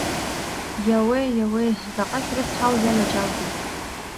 Иаууеи, иаууеи, заҟа шәрыцҳаузеи, анаџьалбеит!